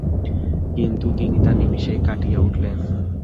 কিন্তু তিনি তা নিমিষেই কাটিয়ে উঠলেন।